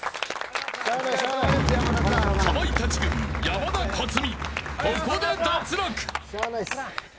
かまいたち軍山田勝己、ここで脱落。